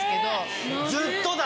ずっとだ！